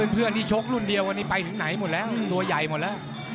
เพื่อนที่ชกรุ่นเดียววันนี้ไปถึงไหนหมดแล้วตัวใหญ่หมดแล้ว